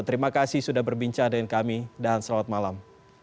terima kasih sudah berbincang dengan kami dan selamat malam